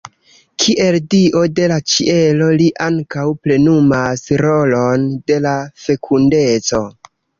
Kiel dio de la ĉielo li ankaŭ plenumas rolon de la fekundeco.